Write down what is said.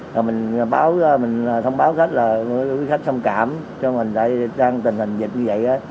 rồi mình thông báo khách là khách thông cảm cho mình tại tình hình dịch như vậy